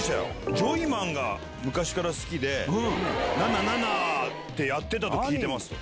ジョイマンが昔から好きで「ナナナナ」ってやってたと聞いてますと。